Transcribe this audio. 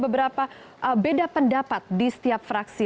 beberapa beda pendapat di setiap fraksi